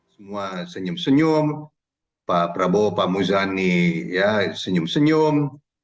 semua senyum senyum pak prabowo pak muzani ya senyum senyum